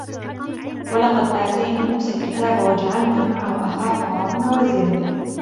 ولقد آتينا موسى الكتاب وجعلنا معه أخاه هارون وزيرا